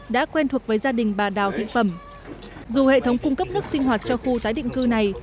đã quen thuộc với gia đình bà đào thị phẩm dù hệ thống cung cấp nước sinh hoạt cho khu tái định cư này